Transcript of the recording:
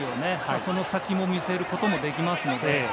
その先も見据えることもできますので。